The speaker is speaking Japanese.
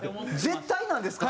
絶対なんですか？